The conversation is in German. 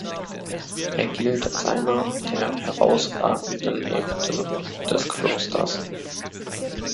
Er gilt als einer der herausragenden Äbte des Klosters.